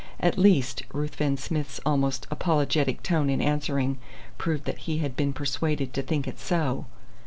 At least, Ruthven Smith's almost apologetic tone in answering proved that he had been persuaded to think it so.